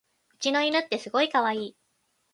うちの犬ってすごいかわいい